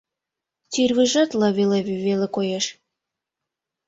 Тӱрвыжат лыве-лыве веле коеш.